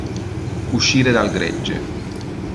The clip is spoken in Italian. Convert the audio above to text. Uscire dal gregge.